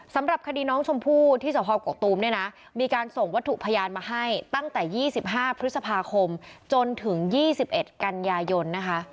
สำหรับคดีน้องชมพู่ที่สภกกตูมเนี่ยนะมีการส่งวัตถุพยานมาให้ตั้งแต่๒๕พฤษภาคมจนถึง๒๑กันยายนนะคะ